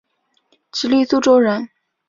直隶苏州人。